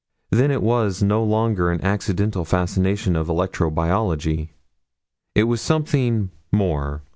Then it was no longer an accidental fascination of electro biology. It was something more.